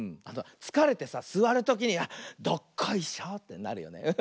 つかれてさすわるときにどっこいしょってなるよね。